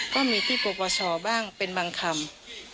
ก็มีที่ปปชบ้างเป็นบางคำ